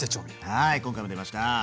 はい今回も出ました。